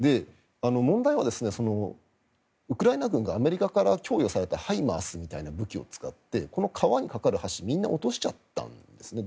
問題はウクライナ軍がアメリカから供与されたＨＩＭＡＲＳみたいな武器を使ってこの川に架かる橋みんな落としちゃったんですね。